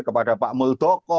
kepada pak muldoko